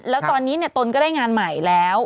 แล้วตอนนี้ตนก็ได้งานใหม่แล้ว